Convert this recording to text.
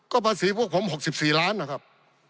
ก็ภาษีพวกผม๖๔ล้านนะครับ